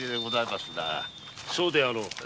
そうであろう。